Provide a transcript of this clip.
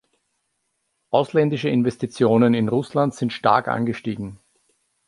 Ausländische Investitionen in Russland sind stark angestiegen.